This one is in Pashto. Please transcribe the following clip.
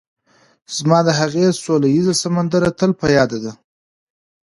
ما د هغې سوله ييزه سندره تل په ياد ده